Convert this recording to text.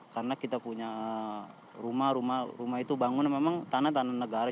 karena kita punya rumah rumah itu bangunan memang tanah tanah negara